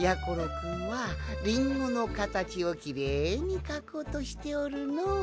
くんはリンゴのかたちをきれいにかこうとしておるのう。